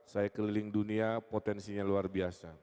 saya keliling dunia potensinya luar biasa